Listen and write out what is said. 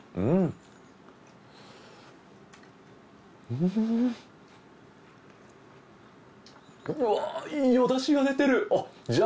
うわいいお出汁が出てるじゃ